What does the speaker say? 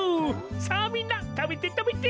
さあみんなたべてたべて！